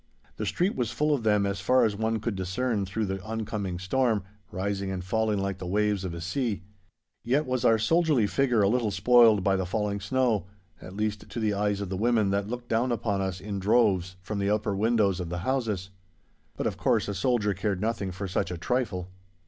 The street was full of them as far as one could discern through the oncoming storm, rising and falling like the waves of the sea. Yet was our soldierly figure a little spoiled by the falling snow—at least to the eyes of the women that looked down upon us in droves from the upper windows of the houses. But, of course, a soldier cared nothing for such a trifle.